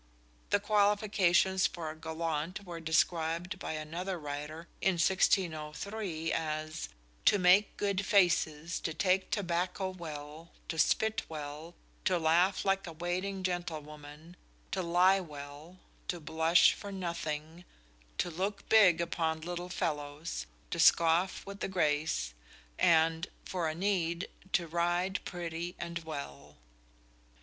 The qualifications for a gallant were described by another writer in 1603 as "to make good faces, to take Tobacco well, to spit well, to laugh like a waiting gentlewoman, to lie well, to blush for nothing, to looke big upon little fellowes, to scoffe with a grace ... and, for a neede, to ride prettie and well."